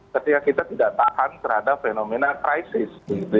ketika kita tidak tahan terhadap fenomena krisis